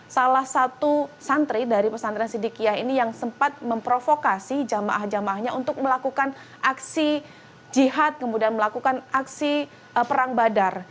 salah satu santri dari pesantren sidikiah ini yang sempat memprovokasi jamaah jamaahnya untuk melakukan aksi jihad kemudian melakukan aksi perang badar